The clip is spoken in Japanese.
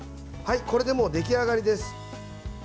これでもう、出来上がりです。